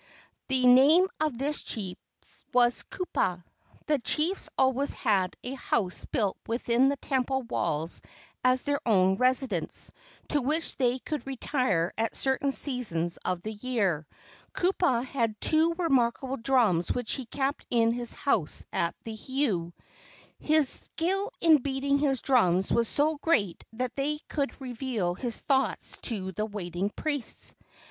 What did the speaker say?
The name of this chief was Kupa. The chiefs always had a house built within the temple walls as their own residence, to which they could retire at certain seasons of the year. Kupa had two remarkable drums which he kept in his house at the heiau. His skill in beating his drums was so great that they could reveal his thoughts to the waiting priests.